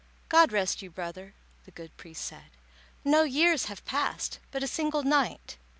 "God rest you, brother," the good priest said, "No years have passed—but a single night."